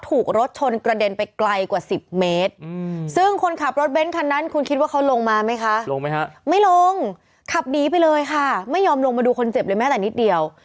ตรงขับหนีไปเลยค่ะไม่ยอมลงมาดูคนเจ็บเลยแม่แต่นิดเดียว